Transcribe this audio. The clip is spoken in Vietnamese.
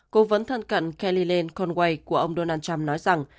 cố vấn thân cận kelly lane conway của ông donald trump nói rằng